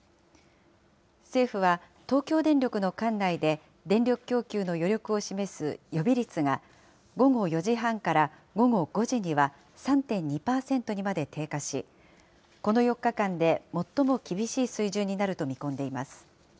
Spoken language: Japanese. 政府は、東京電力の管内で、電力供給の余力を示す予備率が、午後４時半から午後５時には３．２％にまで低下し、この４日間で最も厳しい水準になると見込んでいます。